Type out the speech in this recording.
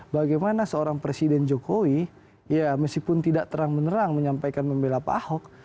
bagaimana seorang presiden jokowi ya meskipun tidak terang menerang menyampaikan membela pak ahok